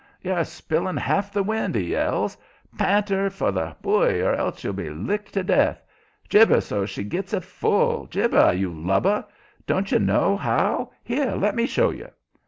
"You're spilling half the wind!" he yells. "Pint' her for the buoy or else you'll be licked to death! Jibe her so's she gits it full. Jibe her, you lubber! Don't you know how? Here! let me show you!"